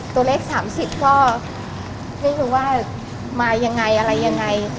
ตัวเลข๓๐ก็ไม่รู้ว่ามายังไงอะไรยังไง